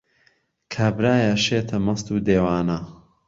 کابرايە شێته مهست و دێوانه